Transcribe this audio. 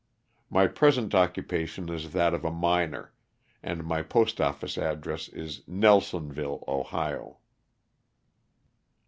My present occupation is. that of a miner, and my postofiBce address is Nelsonville, Ohio.